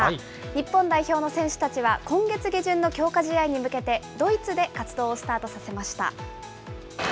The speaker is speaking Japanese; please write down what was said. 日本代表の選手たちは、今月下旬の強化試合に向けて、ドイツで活動をスタートさせました。